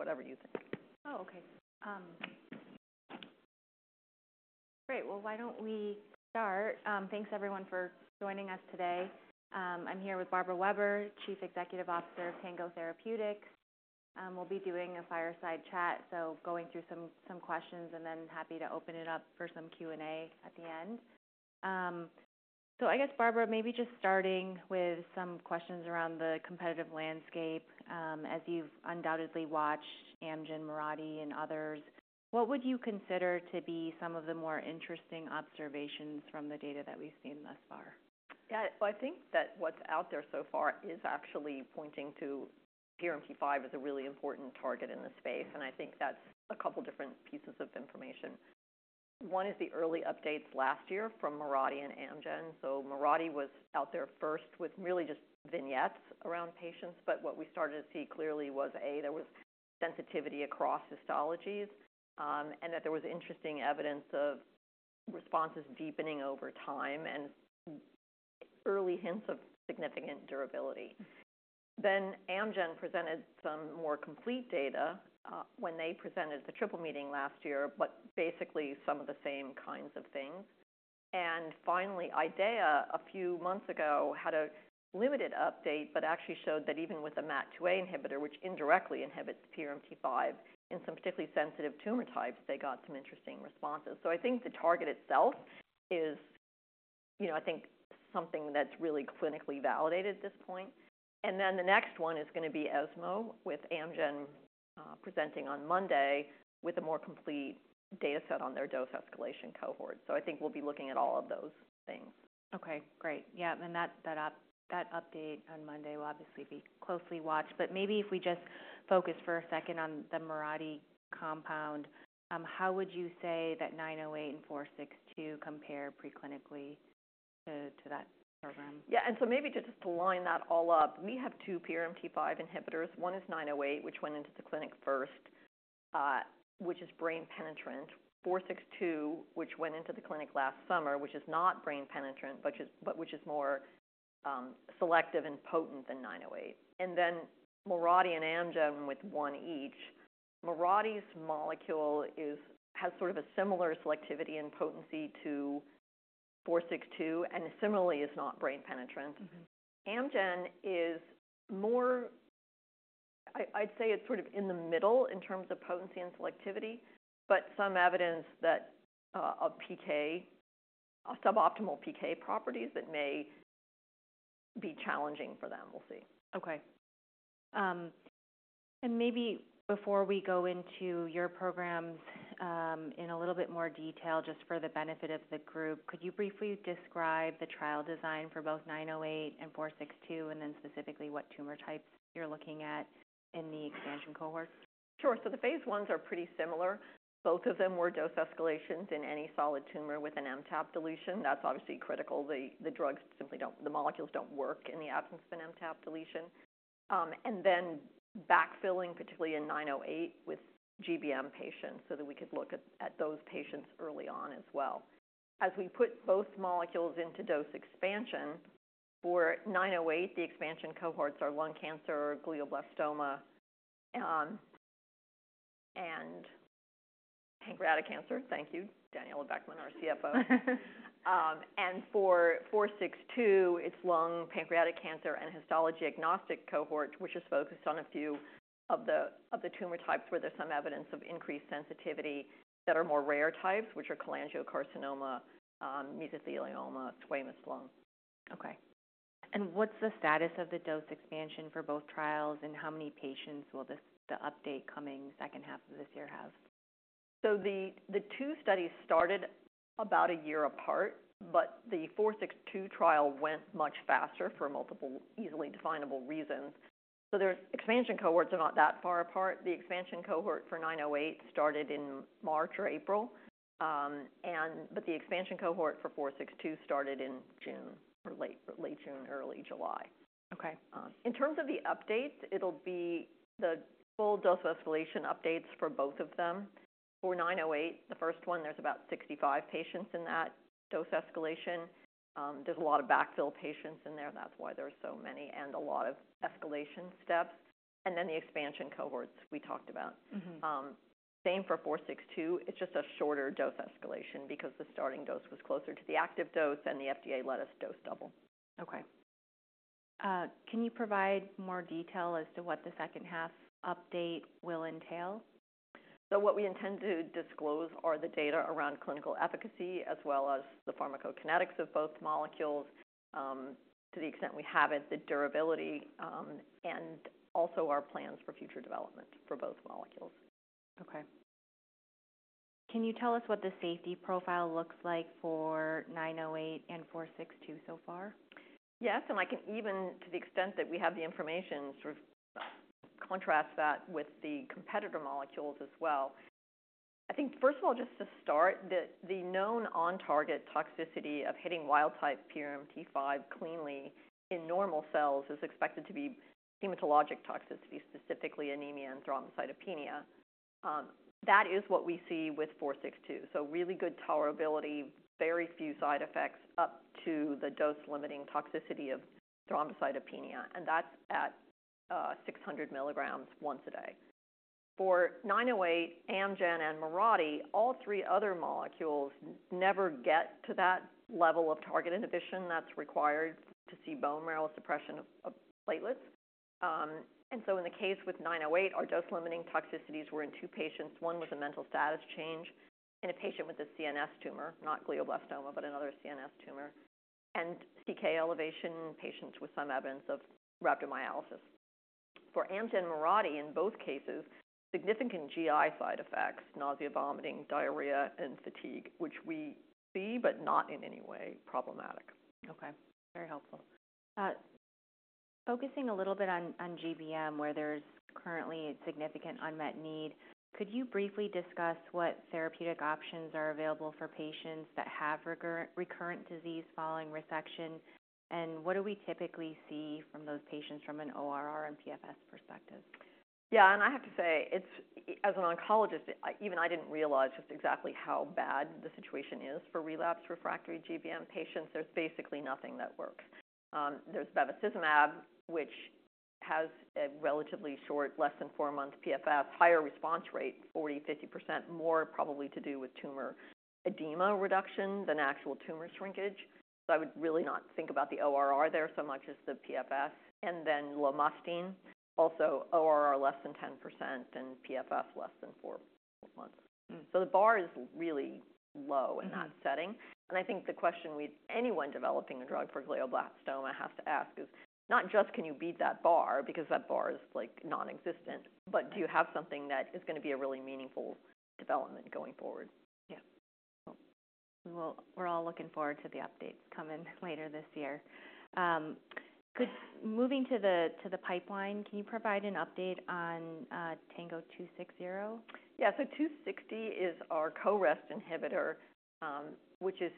whatever you think. Oh, okay. Great. Well, why don't we start? Thanks everyone for joining us today. I'm here with Barbara Weber, Chief Executive Officer of Tango Therapeutics. We'll be doing a fireside chat, so going through some questions and then happy to open it up for some Q&A at the end. So I guess, Barbara, maybe just starting with some questions around the competitive landscape. As you've undoubtedly watched Amgen, Mirati, and others, what would you consider to be some of the more interesting observations from the data that we've seen thus far? Yeah, well, I think that what's out there so far is actually pointing to PRMT5 as a really important target in this space, and I think that's a couple different pieces of information. One is the early updates last year from Mirati and Amgen. So Mirati was out there first with really just vignettes around patients, but what we started to see clearly was, A, there was sensitivity across histologies, and that there was interesting evidence of responses deepening over time and early hints of significant durability. Then Amgen presented some more complete data, when they presented at the Triple Meeting last year, but basically some of the same kinds of things. And finally, IDEAYA, a few months ago, had a limited update, but actually showed that even with a MAT2A inhibitor, which indirectly inhibits PRMT5 in some particularly sensitive tumor types, they got some interesting responses. So I think the target itself is, you know, I think something that's really clinically validated at this point. And then the next one is going to be ESMO, with Amgen presenting on Monday with a more complete data set on their dose escalation cohort. So I think we'll be looking at all of those things. Okay, great. Yeah, and that update on Monday will obviously be closely watched, but maybe if we just focus for a second on the Mirati compound, how would you say that 908 and 462 compare preclinically to that program? Yeah, and so maybe just to line that all up, we have two PRMT5 inhibitors. One is 908, which went into the clinic first, which is brain-penetrant. 462, which went into the clinic last summer, which is not brain-penetrant, but which is more selective and potent than 908. And then Mirati and Amgen with one each. Mirati's molecule is, has sort of a similar selectivity and potency to 462, and similarly, is not brain-penetrant. Mm-hmm. Amgen is more... I, I'd say it's sort of in the middle in terms of potency and selectivity, but some evidence that, of PK, suboptimal PK properties that may be challenging for them. We'll see. Okay. And maybe before we go into your programs, in a little bit more detail, just for the benefit of the group, could you briefly describe the trial design for both 908 and 462, and then specifically what tumor types you're looking at in the expansion cohort? Sure. So the phase Is are pretty similar. Both of them were dose escalations in any solid tumor with an MTAP deletion. That's obviously critical. The drugs simply don't, the molecules don't work in the absence of an MTAP deletion. And then backfilling, particularly in 908, with GBM patients, so that we could look at those patients early on as well. As we put both molecules into dose expansion, for 908, the expansion cohorts are lung cancer, glioblastoma, and pancreatic cancer. Thank you, Daniella Beckman, our CFO. And for 462, it's lung, pancreatic cancer, and histology-agnostic cohort, which is focused on a few of the tumor types where there's some evidence of increased sensitivity that are more rare types, which are cholangiocarcinoma, mesothelioma, squamous lung. Okay. And what's the status of the dose expansion for both trials, and how many patients will this, the update coming second half of this year have? So the two studies started about a year apart, but the 462 trial went much faster for multiple easily definable reasons. So their expansion cohorts are not that far apart. The expansion cohort for 908 started in March or April. But the expansion cohort for 462 started in June or late June, early July. Okay. In terms of the updates, it'll be the full dose escalation updates for both of them. For 908, the first one, there's about 65 patients in that dose escalation. There's a lot of backfill patients in there. That's why there are so many, and a lot of escalation steps, and then the expansion cohorts we talked about. Mm-hmm. Same for 462. It's just a shorter dose escalation because the starting dose was closer to the active dose and the FDA let us dose double. Okay. Can you provide more detail as to what the second half update will entail? So what we intend to disclose are the data around clinical efficacy, as well as the pharmacokinetics of both molecules. To the extent we have it, the durability, and also our plans for future development for both molecules. Okay. Can you tell us what the safety profile looks like for 908 and 462 so far? Yes, and I can, even to the extent that we have the information, sort of contrast that with the competitor molecules as well. I think, first of all, just to start, the known on-target toxicity of hitting wild type PRMT5 cleanly in normal cells is expected to be hematologic toxicity, specifically anemia and thrombocytopenia. That is what we see with 462. So really good tolerability, very few side effects up to the dose-limiting toxicity of thrombocytopenia, and that's at 600 milligrams once a day. For 908, Amgen, and Mirati, all three other molecules never get to that level of target inhibition that's required to see bone marrow suppression of platelets. And so in the case with 908, our dose-limiting toxicities were in two patients. One was a mental status change in a patient with a CNS tumor, not glioblastoma, but another CNS tumor and CK elevation in patients with some evidence of rhabdomyolysis. For Amgen, Mirati, in both cases, significant GI side effects, nausea, vomiting, diarrhea, and fatigue, which we see, but not in any way problematic. Okay, very helpful. Focusing a little bit on GBM, where there's currently significant unmet need, could you briefly discuss what therapeutic options are available for patients that have recurrent disease following resection? And what do we typically see from those patients from an ORR and PFS perspective? Yeah, and I have to say, it's, as an oncologist, even I didn't realize just exactly how bad the situation is for relapse refractory GBM patients. There's basically nothing that works. There's bevacizumab, which has a relatively short, less than four-month PFS, higher response rate, 40%-50% more probably to do with tumor edema reduction than actual tumor shrinkage. So I would really not think about the ORR there so much as the PFS and then lomustine, also ORR, less than 10% and PFS, less than four months. So the bar is really low in that setting. Mm-hmm. I think the question with anyone developing a drug for glioblastoma has to ask is not just can you beat that bar? Because that bar is like non-existent, but do you have something that is going to be a really meaningful development going forward? Yeah. Well, we're all looking forward to the updates coming later this year. Moving to the pipeline, can you provide an update on Tango 260? Yeah. So 260 is our CoREST inhibitor, which is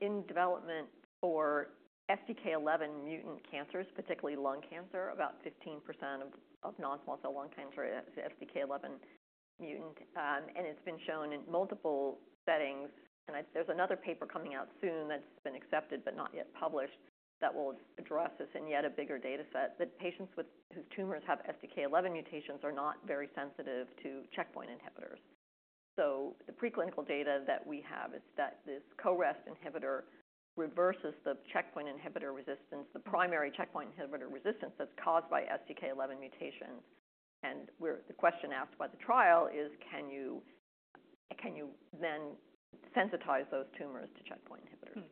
in development for STK11-mutant cancers, particularly lung cancer. About 15% of non-small cell lung cancer is STK11-mutant. And it's been shown in multiple settings, there's another paper coming out soon that's been accepted but not yet published, that will address this in yet a bigger data set. But patients whose tumors have STK11 mutations are not very sensitive to checkpoint inhibitors. So the preclinical data that we have is that this CoREST inhibitor reverses the checkpoint inhibitor resistance, the primary checkpoint inhibitor resistance that's caused by STK11 mutations. And the question asked by the trial is: can you then sensitize those tumors to checkpoint inhibitors?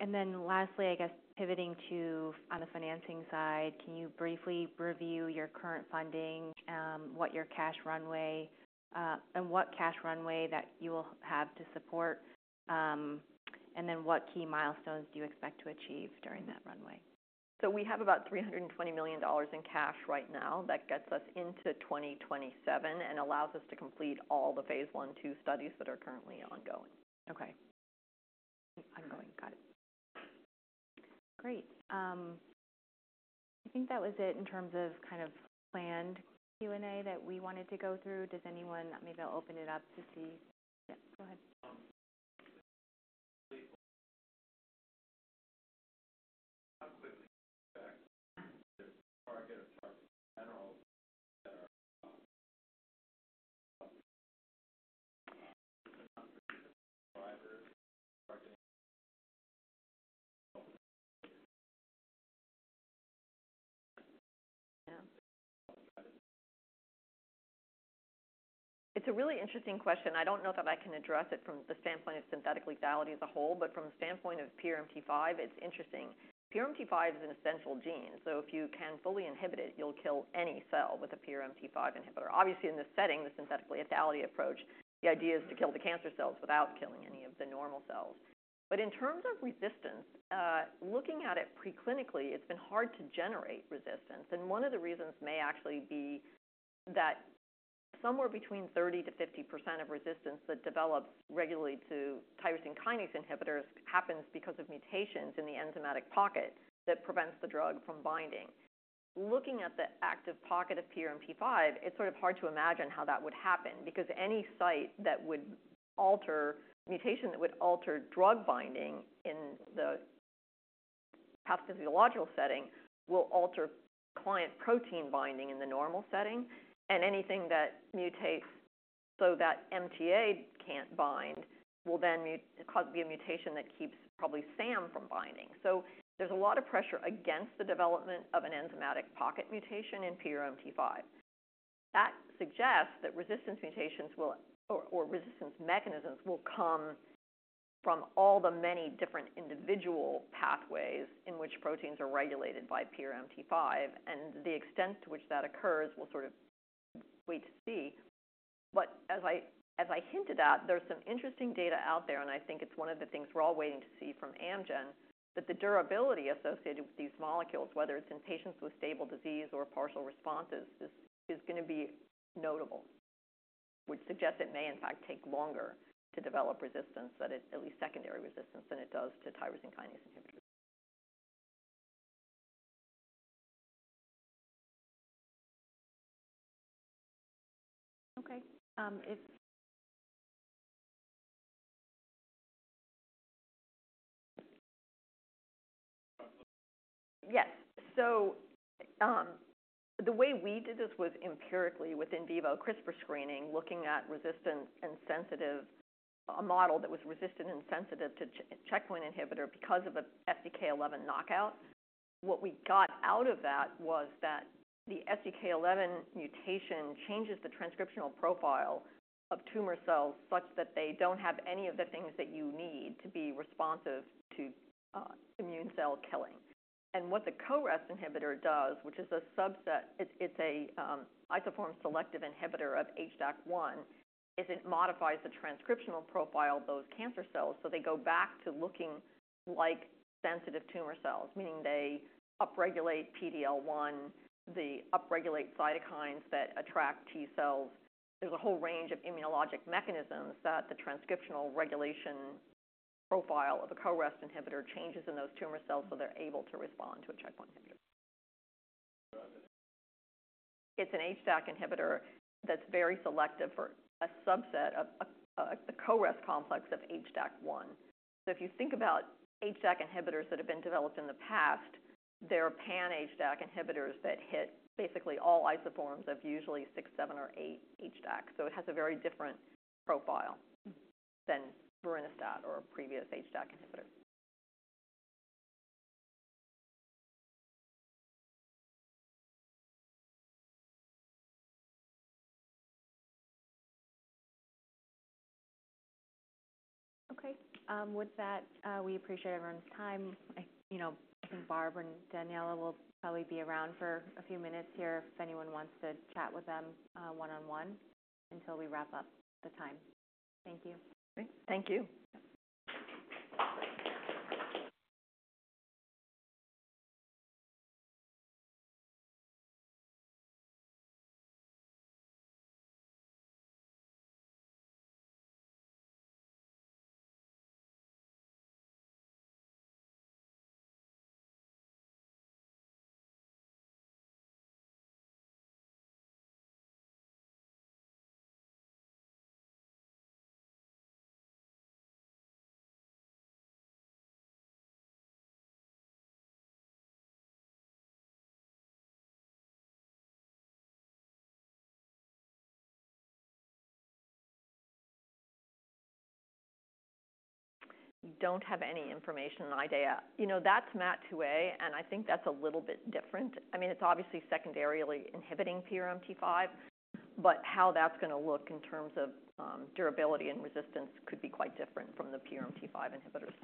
And then lastly, I guess pivoting to the financing side, can you briefly review your current funding, what your cash runway, and what cash runway that you will have to support? And then what key milestones do you expect to achieve during that runway? We have about $320 million in cash right now. That gets us into 2027 and allows us to complete all phase I, II studies that are currently ongoing. Okay. Ongoing. Got it. Great. I think that was it in terms of kind of planned Q&A that we wanted to go through. Does anyone... Maybe I'll open it up to see? Yeah, go ahead. Um, It's a really interesting question. I don't know that I can address it from the standpoint of synthetic lethality as a whole, but from the standpoint of PRMT5, it's interesting. PRMT5 is an essential gene, so if you can fully inhibit it, you'll kill any cell with a PRMT5 inhibitor. Obviously, in this setting, the synthetic lethality approach, the idea is to kill the cancer cells without killing any of the normal cells. But in terms of resistance, looking at it preclinically, it's been hard to generate resistance. And one of the reasons may actually be that somewhere between 30%-50% of resistance that develops regularly to tyrosine kinase inhibitors happens because of mutations in the enzymatic pocket that prevents the drug from binding. Looking at the active pocket of PRMT5, it's sort of hard to imagine how that would happen, because any site that would alter, mutation that would alter drug binding in the pathophysiological setting will alter client protein binding in the normal setting. Anything that mutates so that MTA can't bind will then cause the mutation that keeps probably SAM from binding. So there's a lot of pressure against the development of an enzymatic pocket mutation in PRMT5. That suggests that resistance mutations will, or resistance mechanisms will come from all the many different individual pathways in which proteins are regulated by PRMT5, and the extent to which that occurs will sort of wait to see. But as I hinted at, there's some interesting data out there, and I think it's one of the things we're all waiting to see from Amgen, that the durability associated with these molecules, whether it's in patients with stable disease or partial responses, is going to be notable... which suggests it may in fact take longer to develop resistance, that it at least secondary resistance than it does to tyrosine kinase inhibitors. Okay, Yes. So, the way we did this was empirically with in vivo CRISPR screening, looking at resistant and sensitive, a model that was resistant and sensitive to checkpoint inhibitor because of an STK11 knockout. What we got out of that was that the STK11 mutation changes the transcriptional profile of tumor cells such that they don't have any of the things that you need to be responsive to, immune cell killing. And what the CoREST inhibitor does, which is a subset, it's a isoform-selective inhibitor of HDAC1, is it modifies the transcriptional profile of those cancer cells, so they go back to looking like sensitive tumor cells, meaning they upregulate PD-L1, they upregulate cytokines that attract T cells. There's a whole range of immunologic mechanisms that the transcriptional regulation profile of a CoREST inhibitor changes in those tumor cells, so they're able to respond to a checkpoint inhibitor. It's an HDAC inhibitor that's very selective for a subset of the CoREST complex of HDAC1. So if you think about HDAC inhibitors that have been developed in the past, they're pan-HDAC inhibitors that hit basically all isoforms of usually six, seven, or eight HDAC. So it has a very different profile than vorinostat or previous HDAC inhibitors. Okay, with that, we appreciate everyone's time. I, you know, I think Barb and Daniella will probably be around for a few minutes here if anyone wants to chat with them, one-on-one until we wrap up the time. Thank you. Great. Thank you. We don't have any information on IDEAYA. You know, that's MAT2A, and I think that's a little bit different. I mean, it's obviously secondarily inhibiting PRMT5, but how that's gonna look in terms of, durability and resistance could be quite different from the PRMT5 inhibitors.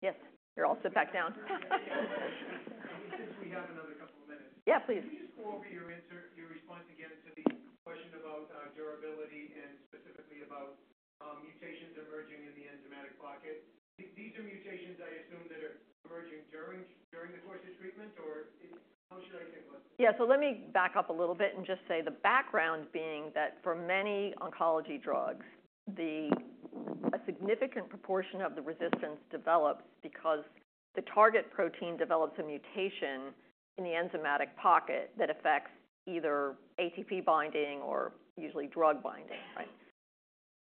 Yes, here, I'll sit back down. Since we have another couple of minutes. Yeah, please. Can you just go over your answer, your response again to the question about durability and specifically about mutations emerging in the enzymatic pocket? These are mutations, I assume, that are emerging during the course of treatment, or how should I think about this? Yeah. So let me back up a little bit and just say the background being that for many oncology drugs, a significant proportion of the resistance develops because the target protein develops a mutation in the enzymatic pocket that affects either ATP binding or usually drug binding,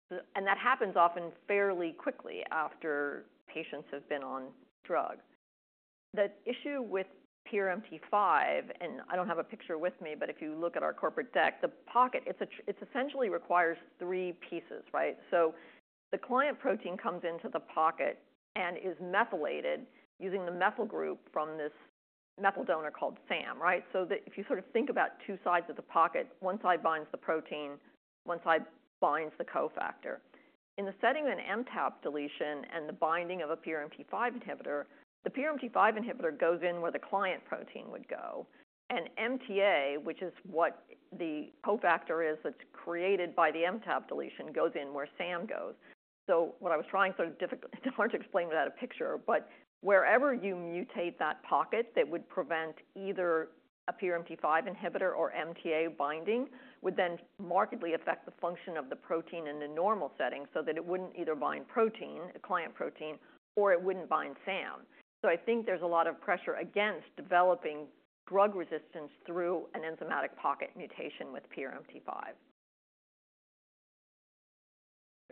right? And that happens often fairly quickly after patients have been on drugs. The issue with PRMT5, and I don't have a picture with me, but if you look at our corporate deck, the pocket, it's essentially requires three pieces, right? So, if you sort of think about two sides of the pocket, one side binds the protein, one side binds the cofactor. In the setting of an MTAP deletion and the binding of a PRMT5 inhibitor, the PRMT5 inhibitor goes in where the client protein would go, and MTA, which is what the cofactor is that's created by the MTAP deletion, goes in where SAM goes, so it's hard to explain without a picture, but wherever you mutate that pocket, that would prevent either a PRMT5 inhibitor or MTA binding, would then markedly affect the function of the protein in the normal setting, so that it wouldn't either bind protein, a client protein, or it wouldn't bind SAM. So I think there's a lot of pressure against developing drug resistance through an enzymatic pocket mutation with PRMT5,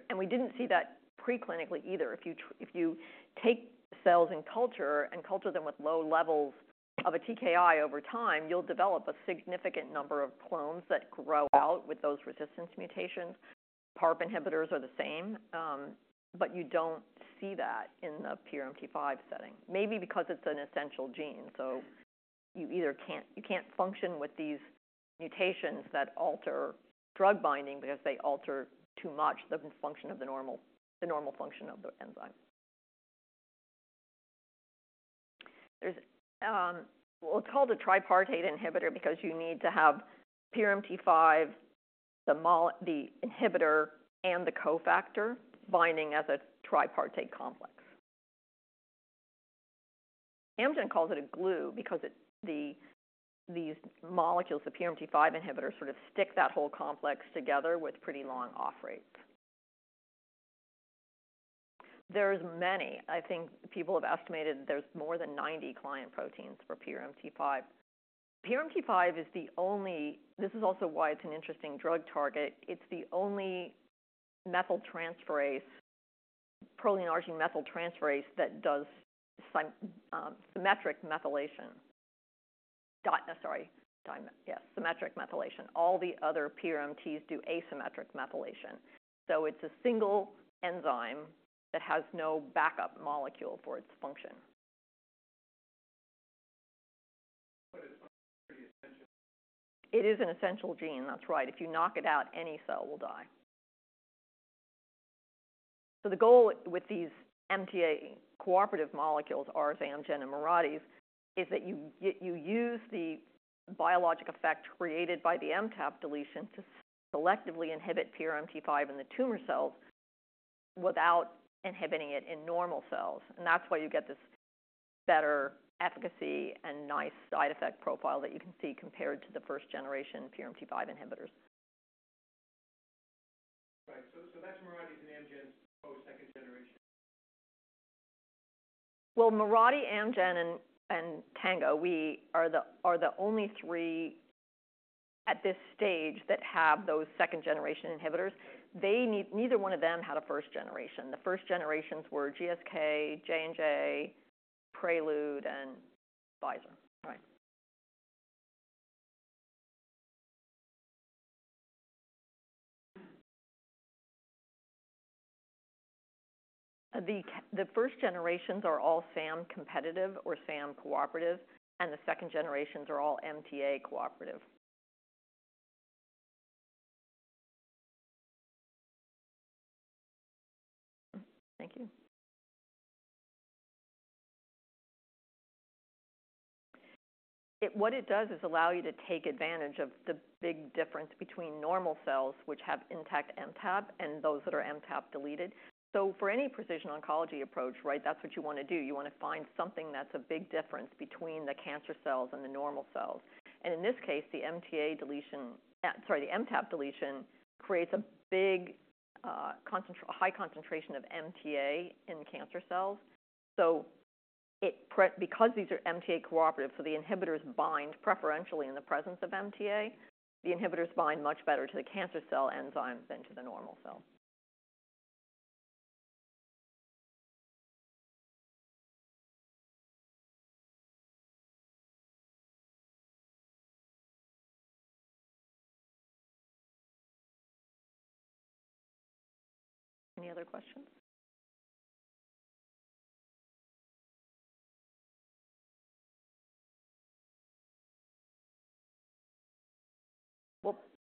and we didn't see that preclinically either. If you take cells in culture and culture them with low levels of a TKI over time, you'll develop a significant number of clones that grow out with those resistance mutations. PARP inhibitors are the same, but you don't see that in the PRMT5 setting. Maybe because it's an essential gene, so you either can't function with these mutations that alter drug binding because they alter too much the function of the normal function of the enzyme. There's well, it's called a tripartite inhibitor because you need to have PRMT5, the inhibitor, and the cofactor binding as a tripartite complex. Amgen calls it a glue because it, the, these molecules, the PRMT5 inhibitors, sort of stick that whole complex together with pretty long off rates. There's many. I think people have estimated there's more than 90 client proteins for PRMT5. PRMT5 is the only. This is also why it's an interesting drug target. It's the only methyltransferase, protein arginine methyltransferase, that does symmetric methylation. All the other PRMTs do asymmetric methylation, so it's a single enzyme that has no backup molecule for its function. But it's pretty essential. It is an essential gene, that's right. If you knock it out, any cell will die. So the goal with these MTA-cooperative molecules are Amgen and Mirati's, is that you get, you use the biologic effect created by the MTAP deletion to selectively inhibit PRMT5 in the tumor cells without inhibiting it in normal cells. And that's why you get this better efficacy and nice side effect profile that you can see compared to the first generation PRMT5 inhibitors. Right. So, so that's Mirati and Amgen's post-second generation? Mirati, Amgen and Tango we are the only three at this stage that have those second-generation inhibitors. Neither one of them had a first generation. The first generations were GSK, J&J, Prelude, and Pfizer. Right. The first generations are all SAM-competitive or SAM-cooperative, and the second generations are all MTA-cooperative. Thank you. It, what it does is allow you to take advantage of the big difference between normal cells, which have intact MTAP, and those that are MTAP deleted. So for any precision oncology approach, right, that's what you want to do. You want to find something that's a big difference between the cancer cells and the normal cells. And in this case, the MTAP deletion creates a big high concentration of MTA in cancer cells. Because these are MTA-cooperative, so the inhibitors bind preferentially in the presence of MTA, the inhibitors bind much better to the cancer cell enzymes than to the normal cells. Any other questions?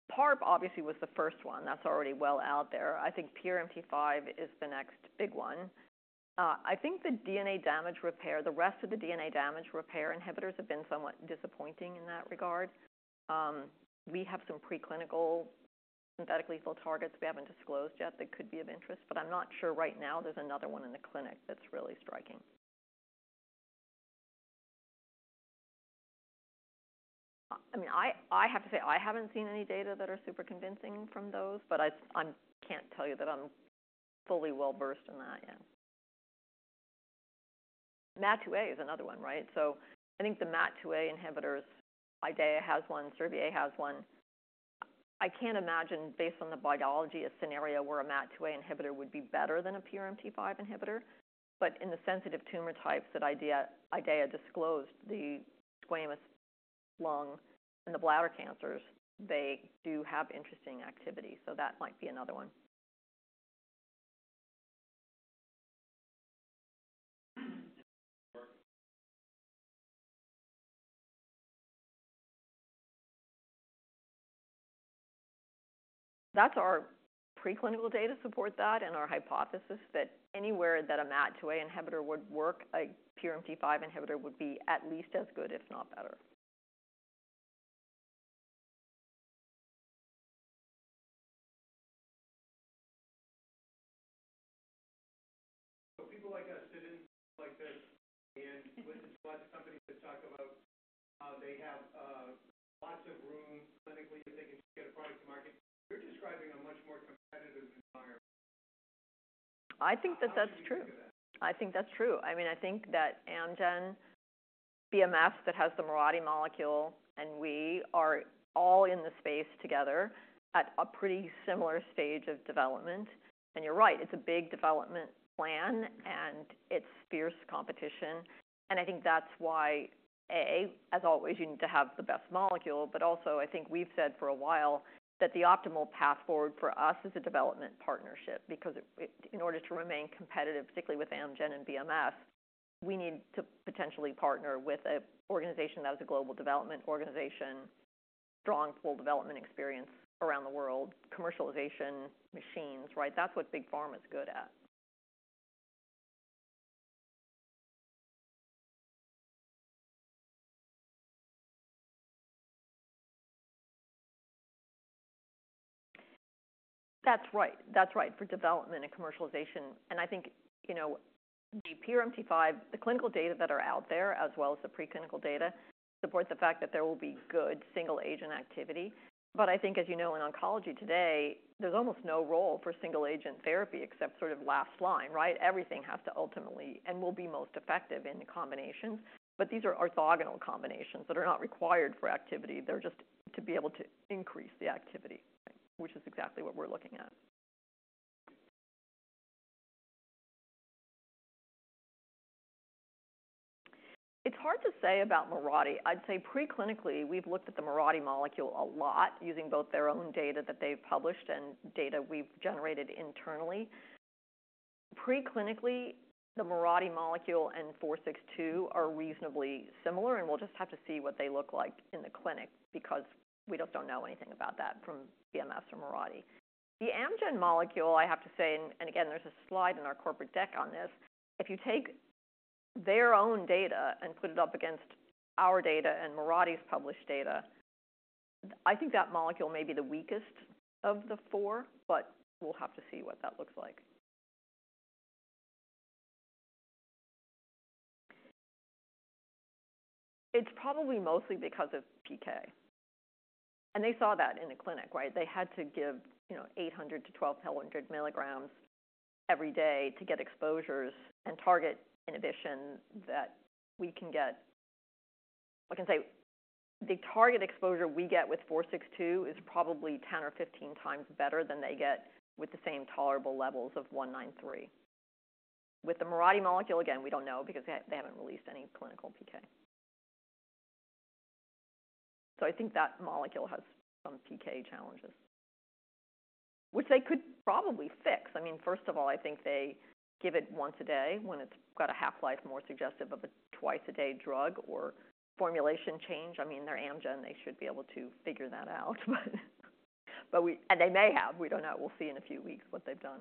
PARP obviously was the first one that's already well out there. I think PRMT5 is the next big one. I think the DNA damage repair, the rest of the DNA damage repair inhibitors have been somewhat disappointing in that regard. We have some preclinical synthetic lethal targets we haven't disclosed yet that could be of interest, but I'm not sure right now there's another one in the clinic that's really striking. I mean, I have to say, I haven't seen any data that are super convincing from those, but I can't tell you that I'm fully well-versed in that yet. MAT2A is another one, right? So I think the MAT2A inhibitors, IDEAYA has one, Servier has one. I can't imagine, based on the biology, a scenario where a MAT2A inhibitor would be better than a PRMT5 inhibitor. But in the sensitive tumor types that IDEAYA, IDEAYA disclosed, the squamous lung and the bladder cancers, they do have interesting activity, so that might be another one. That's our preclinical data support that and our hypothesis that anywhere that a MAT2A inhibitor would work, a PRMT5 inhibitor would be at least as good, if not better. People like us sitting like this and with lots of companies that talk about how they have lots of room clinically, that they can get a product to market. You're describing a much more competitive environment. I think that that's true. How do you look at that? I think that's true. I mean, I think that Amgen, BMS, that has the Mirati molecule, and we are all in the space together at a pretty similar stage of development. And you're right, it's a big development plan and it's fierce competition. And I think that's why A, as always, you need to have the best molecule, but also I think we've said for a while that the optimal path forward for us is a development partnership, because it, in order to remain competitive, particularly with Amgen and BMS, we need to potentially partner with an organization that is a global development organization, strong full development experience around the world, commercialization machines, right? That's what big pharma is good at.... That's right. That's right, for development and commercialization. I think, you know, the PRMT5, the clinical data that are out there, as well as the preclinical data, support the fact that there will be good single-agent activity. But I think, as you know, in oncology today, there's almost no role for single agent therapy except sort of last line, right? Everything has to ultimately and will be most effective in combinations, but these are orthogonal combinations that are not required for activity. They're just to be able to increase the activity, which is exactly what we're looking at. It's hard to say about Mirati. I'd say preclinically, we've looked at the Mirati molecule a lot, using both their own data that they've published and data we've generated internally. Preclinically, the Mirati molecule and 462 are reasonably similar, and we'll just have to see what they look like in the clinic because we just don't know anything about that from BMS or Mirati. The Amgen molecule, I have to say, and again, there's a slide in our corporate deck on this. If you take their own data and put it up against our data and Mirati's published data, I think that molecule may be the weakest of the four, but we'll have to see what that looks like. It's probably mostly because of PK, and they saw that in the clinic, right? They had to give, you know, 800-1200 milligrams every day to get exposures and target inhibition that we can get. I can say the target exposure we get with 462 is probably 10 or 15 times better than they get with the same tolerable levels of 193. With the Mirati molecule, again, we don't know because they haven't released any clinical PK. So I think that molecule has some PK challenges, which they could probably fix. I mean, first of all, I think they give it once a day when it's got a half-life more suggestive of a twice-a-day drug or formulation change. I mean, they're Amgen, they should be able to figure that out. But and they may have. We don't know. We'll see in a few weeks what they've done.